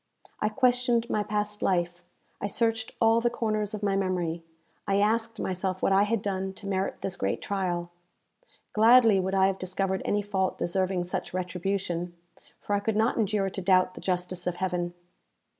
I questioned my past life; I searched all the corners of my memory; I asked myself what I had done to merit this great trial? Gladly would I have discovered any fault deserving such retribution, for I could not endure to doubt the justice of Heaven.